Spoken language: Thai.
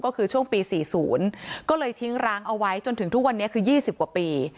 ก็คือช่วงปี๔๐ก็เลยทิ้งร้างเอาไว้จนถึงทุกวันนี้คือ๒๐กว่าปี